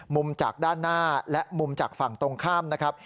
มุมจากด้านหน้าและมุมจากฝั่งตรงข้ามนะครับ